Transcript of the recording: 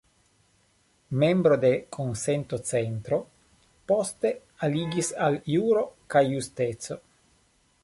Membro de Konsento-Centro, poste aliĝis al Juro kaj Justeco.